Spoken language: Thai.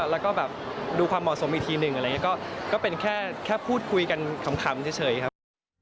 แล้วก็แบบดูความเหมาะสมอีกทีหนึ่งอะไรอย่างนี้ก็เป็นแค่พูดคุยกันขำเฉยครับ